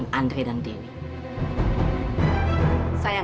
tante ibu sudah selesai menikahnya